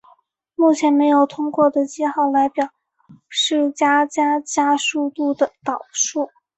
目前没有通用的记号来表示加加加速度的导数。